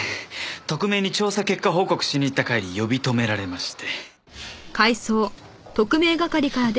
特命に調査結果報告しに行った帰り呼び止められまして。